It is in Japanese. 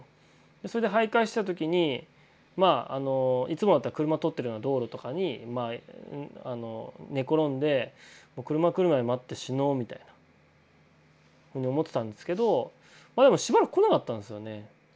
それで徘徊してた時にいつもだったら車通ってるような道路とかに寝転んで車来るまで待って死のうみたいな思ってたんですけどしばらく来なかったんですよね。